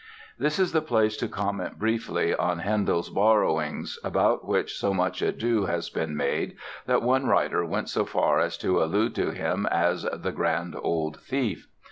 This is the place to comment briefly on Handel's "borrowings" about which so much ado has been made that one writer went so far as to allude to him as "the grand old thief."